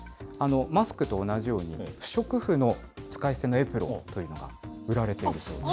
マスクと同じように、不織布の使い捨てのエプロンというのが売られているそうです。